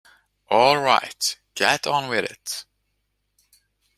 All right, get on with it.